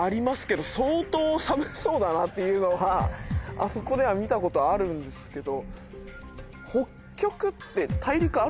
あそこでは見たことあるんですけど。